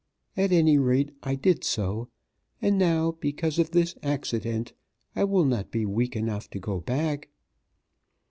At any rate I did so, and now because of this accident I will not be weak enough to go back.